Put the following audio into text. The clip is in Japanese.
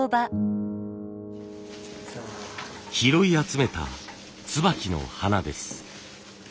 拾い集めた椿の花です。